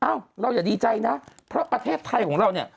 เราอย่าดีใจนะเพราะประเทศไทยของเราเนี่ย